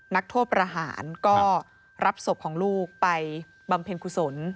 นักโทษประหารก็รับศพของลูกไปบำเพ็ญกุศล